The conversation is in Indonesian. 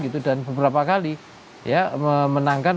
gitu dan beberapa kali ya menangkan